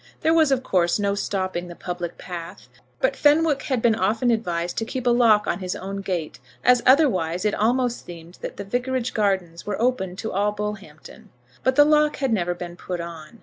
There was, of course, no stopping the public path, but Fenwick had been often advised to keep a lock on his own gate, as otherwise it almost seemed that the vicarage gardens were open to all Bullhampton. But the lock had never been put on.